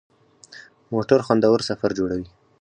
موټر خوندور سفر جوړوي.